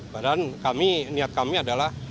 padahal kami niat kami adalah